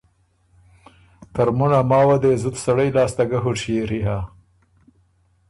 ترمُن ا ماوه دې زُت سړئ لاسته ګۀ هوشيېری هۀ